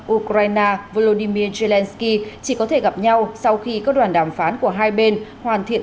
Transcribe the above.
ukraine volodymyr zelensky chỉ có thể gặp nhau sau khi các đoàn đàm phán của hai bên hoàn thiện